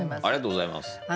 ありがとうございます。